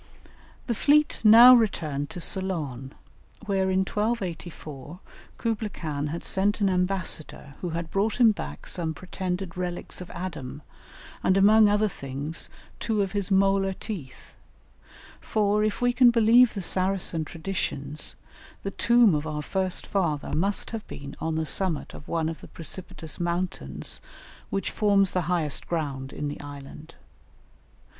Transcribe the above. The fleet now returned to Ceylon, where in 1284 Kublaï Khan had sent an ambassador who had brought him back some pretended relics of Adam, and among other things two of his molar teeth; for, if we can believe the Saracen traditions, the tomb of our first father must have been on the summit of one of the precipitous mountains, which forms the highest ground in the island.